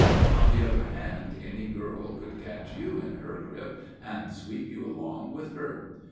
On the other hand any girl could catch you in her grip and sweep you along with her.